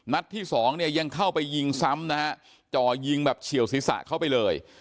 ที่สองเนี่ยยังเข้าไปยิงซ้ำนะฮะจ่อยิงแบบเฉียวศีรษะเข้าไปเลย